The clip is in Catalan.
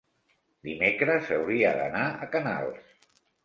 Dimecres hauria d'anar a Canals.